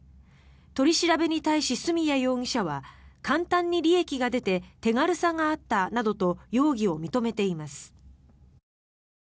取り調べに対し角谷容疑者は簡単に利益が出て手軽さがあったなどと容疑を認めています。